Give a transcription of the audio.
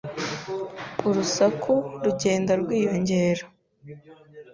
Urusaku rugenda rwiyongera.